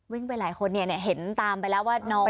วิ่งไปหลายคนเห็นตามไปแล้วว่าน้องวิ่งไป